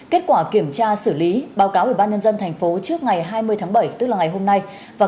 kết quả kiểm tra xử lý báo cáo ủy ban nhân dân thành phố trước ngày hai mươi tháng bảy tức là ngày hôm nay